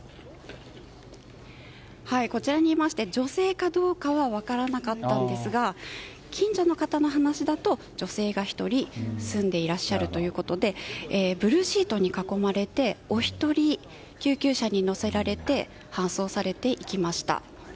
こちらにいまして女性かどうかは分からなかったんですが近所の方の話だと女性が１人住んでいらっしゃるということでブルーシートに囲まれてお一人、救急車に乗せられて搬送されていきました。